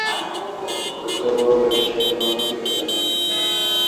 তবুও ব্যবসার কোনো উন্নতি ঘটে না।